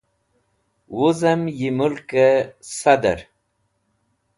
Wuzem yi mulke Sadar